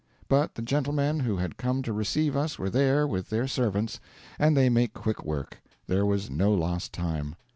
But the gentlemen who had come to receive us were there with their servants, and they make quick work; there was no lost time.